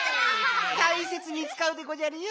たいせつにつかうでごじゃるよ。